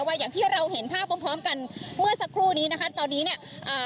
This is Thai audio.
อย่างที่เราเห็นภาพพร้อมพร้อมกันเมื่อสักครู่นี้นะคะตอนนี้เนี่ยอ่า